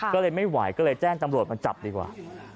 ก็เลยไม่ไหวก็เลยแจ้งตำรวจมาจับดีกว่า